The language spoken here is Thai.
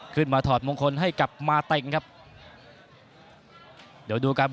ขึ้นมาถอดมงคลให้กลับมาเติ้งครับ